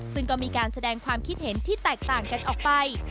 ซึ่งก็มีการแสดงความคิดเห็นที่แตกต่างกันออกไป